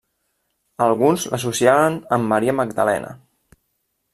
Alguns l'associaven amb Maria Magdalena.